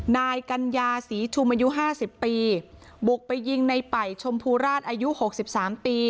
นายกัญญาศรีชุมอายุห้าสิบปีบุกไปยิงในป่ายชมพูราชอายุหกสิบสามปี